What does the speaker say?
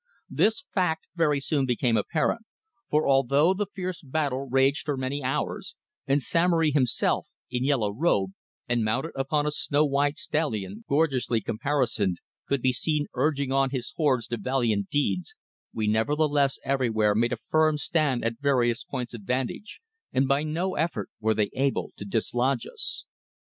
This fact very soon became apparent, for although the fierce battle raged for many hours, and Samory himself, in yellow robe, and mounted upon a snow white stallion, gorgeously caparisoned, could be seen urging on his hordes to valiant deeds, we nevertheless everywhere made a firm stand at various points of vantage, and by no effort were they able to dislodge us.